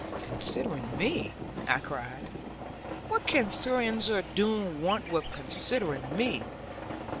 'Considering me!' I cried; 'what can Sir Ensor Doone want with considering me?